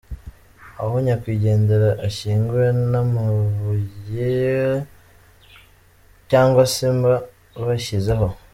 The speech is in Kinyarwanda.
Aho nyakwigendera ashyinguwe, ntamabuye cyangwa sima bashyizeho.